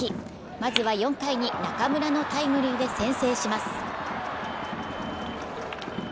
まずは４回に中村のタイムリーで先制します。